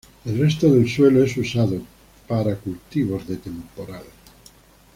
El resto del suelo es usado para cultivos de temporal.